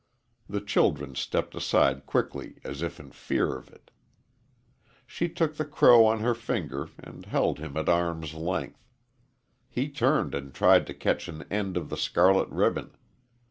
The children stepped aside quickly, as if in fear of it. She took the crow on her finger and held him at arm's length. He turned and tried to catch an end of the scarlet ribbon.